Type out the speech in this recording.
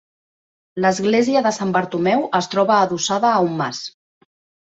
L'església de Sant Bartomeu es troba adossada a un mas.